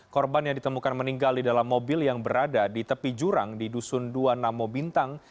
korban yang ditemukan meninggal di dalam mobil yang berada di tepi jurang di dusun dua namo bintang